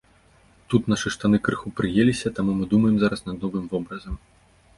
Тут нашы штаны крыху прыеліся, таму мы думаем зараз над новым вобразам.